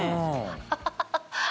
ハハハハ。